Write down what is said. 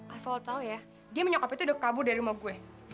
asal lo tau ya dia sama nyokapnya udah kabur dari rumah gue